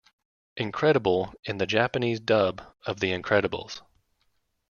Incredible in the Japanese dub of "The Incredibles".